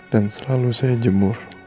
dan selalu saya jemur